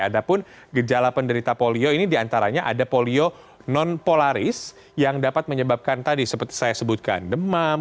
ada pun gejala penderita polio ini diantaranya ada polio nonpolaris yang dapat menyebabkan tadi seperti saya sebutkan demam